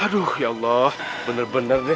aduh ya allah bener bener nih